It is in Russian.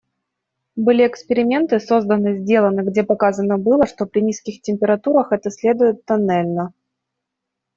Были эксперименты созданы, сделаны, где показано было, что при низких температурах это следует тоннельно.